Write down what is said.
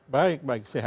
baik baik sehat